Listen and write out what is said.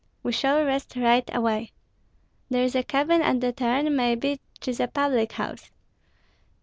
"We shall rest right away!" "There is a cabin at the turn, maybe 'tis a public house."